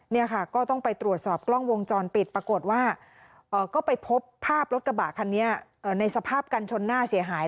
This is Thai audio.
นี่ค่ะก็ต้องไปตรวจสอบกล้องวงจรปิดปรากฏว่าก็ไปพบภาพรถกระบะคันนี้ในสภาพกันชนหน้าเสียหาย